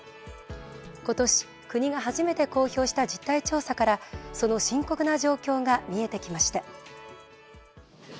今年、国が初めて公表した実態調査からその深刻な状況が見えてきました。